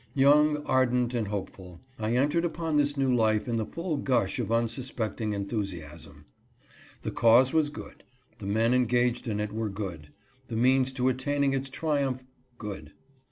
Young, ardent and hopeful, I entered upon this new life in the full gush of unsuspecting enthusiasm. The cause was good, the men engaged in it were good, the means to attain its triumph, good.